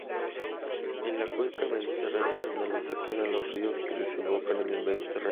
En la cuenca mediterránea andaluza quedan los ríos que desembocan en el Mediterráneo.